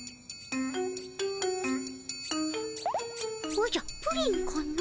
おじゃプリンかの？